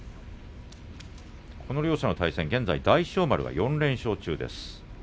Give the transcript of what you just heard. この両者の対戦、現在大翔丸が４連勝中です。